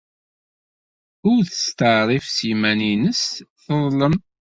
Ur testeɛṛif s yiman-nnes teḍlem.